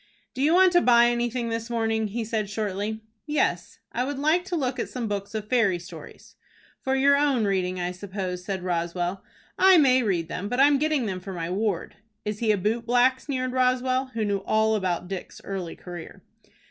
"Do you want to buy anything this morning?" he said, shortly. "Yes; I would like to look at some books of fairy stories." "For your own reading, I suppose," said Roswell. "I may read them, but I am getting them for my ward." "Is he a boot black?" sneered Roswell, who knew all about Dick's early career.